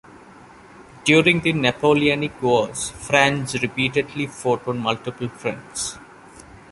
During the Napoleonic Wars, France repeatedly fought on multiple fronts.